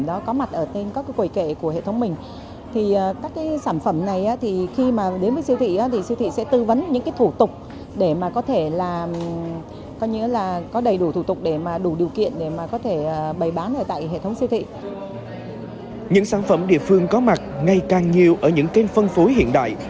địa phương có mặt ngày càng nhiều ở những kênh phân phối hiện đại